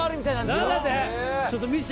何だって？